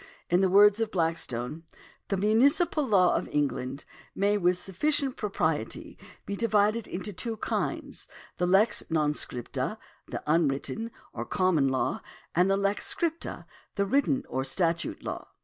In the words of Blackstone :^" The munici pal law of England ... may with sufficient propriety be divided into two kinds ; the lex non scripta, the unwritten, or common law ; and the lex scripta, the written, or statute law.